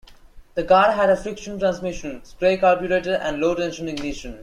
The car had a friction transmission, spray carburetor, and low tension ignition.